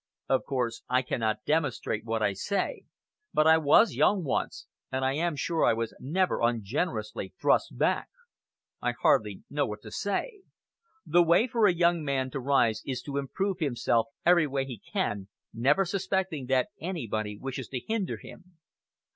Of course I cannot demonstrate what I say; but I was young once, and I am sure I was never ungenerously thrust back. I hardly know what to say. The way for a young man to rise is to improve himself every way he can, never suspecting that anybody wishes to hinder him.